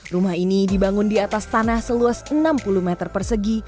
rumah ini dibangun di atas tanah seluas enam puluh meter persegi